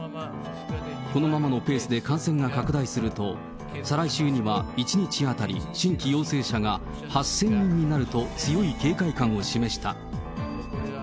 このままのペースで感染が拡大すると、再来週には１日当たり新規陽性者が８０００人になると強い警戒感を示した。